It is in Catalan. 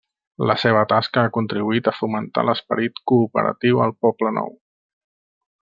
La seva tasca ha contribuït a fomentar l'esperit cooperatiu al Poblenou.